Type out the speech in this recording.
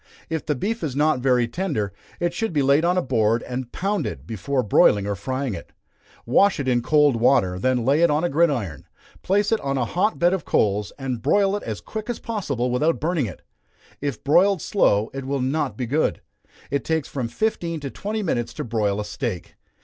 If the beef is not very tender, it should be laid on a board and pounded, before broiling or frying it. Wash it in cold water, then lay it on a gridiron, place it on a hot bed of coals, and broil it as quick as possible without burning it. If broiled slow, it will not be good. It takes from fifteen to twenty minutes to broil a steak.